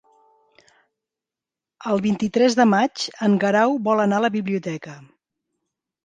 El vint-i-tres de maig en Guerau vol anar a la biblioteca.